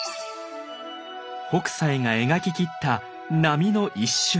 北斎が描ききった波の一瞬。